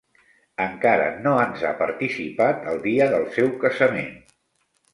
Encara no ens ha participat el dia del seu casament.